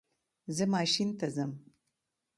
زه ماشین ته ځم